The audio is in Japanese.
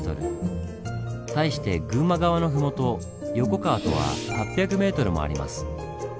対して群馬側の麓横川とは８００ｍもあります。